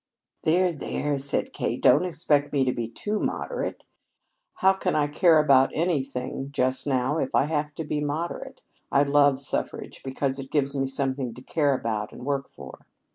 "There, there," said Kate, "don't expect me to be too moderate. How can I care about anything just now if I have to be moderate? I love suffrage because it gives me something to care about and to work for.